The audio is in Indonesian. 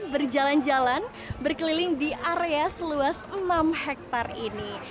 berjalan jalan berkeliling di area seluas enam hektare ini